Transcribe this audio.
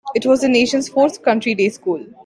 It was the nation's fourth country day school.